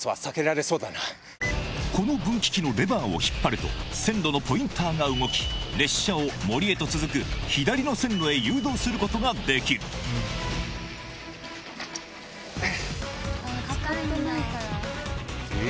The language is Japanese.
この分岐器のレバーを引っ張ると線路のポインターが動き列車を森へと続く左の線路へ誘導することができる固いんだ。